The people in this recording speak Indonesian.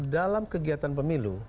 dalam kegiatan pemilu